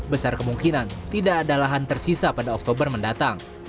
besar kemungkinan tidak ada lahan tersisa pada oktober mendatang